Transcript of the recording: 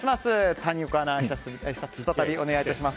谷岡アナ、あいさつ再びお願いします。